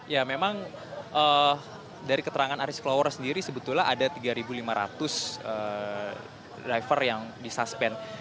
ya memang dari keterangan aris klower sendiri sebetulnya ada tiga lima ratus driver yang disuspend